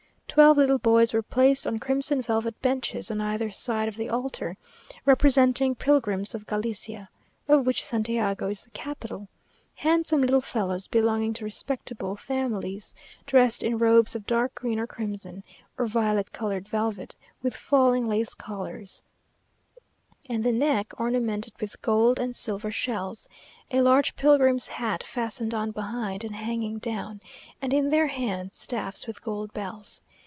Twelve little boys were placed on crimson velvet benches, on either side of the altar, representing pilgrims of Galicia (of which Santiago is the capital), handsome little fellows, belonging to respectable families, dressed in robes of dark green or crimson, or violet coloured velvet, with falling lace collars, and the neck ornamented with gold and silver shells; a large pilgrim's hat fastened on behind, and hanging down, and in their hands staffs with gold bells.